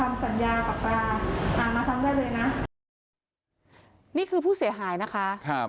อ่ามาทำได้เลยนะนี่คือผู้เสียหายนะคะครับ